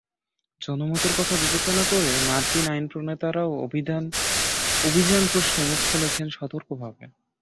জনমতের কথা বিবেচনা করে মার্কিন আইনপ্রণেতারাও অভিযান প্রশ্নে মুখ খুলছেন সতর্কভাবে।